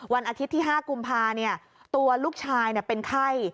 วันอาทิตย์ที่๕กุมภาตัวลูกชายเป็นไข้